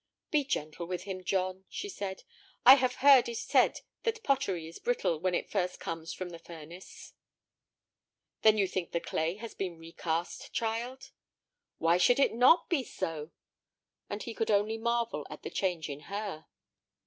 "Be gentle with him, John," she said. "I have heard it said that pottery is brittle when it first comes from the furnace." "Then you think the clay has been recast, child?" "Why should it not be so!" And he could only marvel at the change in her.